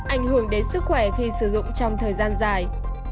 ảnh hưởng đến sức khỏe khi sử dụng trong thời gian dài